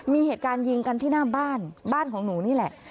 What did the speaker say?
มีเหตุการณ์ยิงกันที่หน้าบ้านบ้านของหนูนี่แหละ